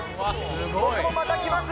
僕もまた来ます。